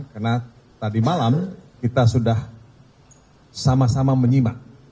karena tadi malam kita sudah sama sama menyimak